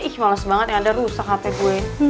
ih males banget yang ada rusak hp gue